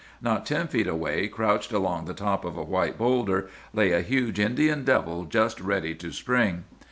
"'Not ten feet away, crouched along the top of a white bowlder, lay a huge Indian devil just ready to spring.